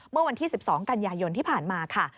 เมื่อวันที่๑๒กันยายนที่ผ่านมาค่ะ